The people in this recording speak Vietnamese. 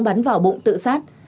bắn vào bụng tự sát